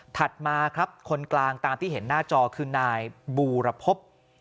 ถัดมาครับคนกลางงานที่เห็นหน้าจอคืนไนยบูรพพ